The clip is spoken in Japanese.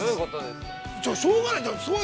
◆じゃあ、しょうがない。